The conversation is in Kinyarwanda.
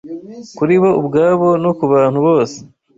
kuri bo ubwabo no ku bantu bose